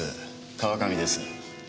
川上です。